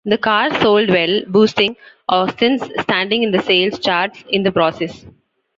The car sold well, boosting Austin's standing in the sales charts in the process.